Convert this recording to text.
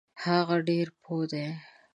هغه ډیر پوه دی.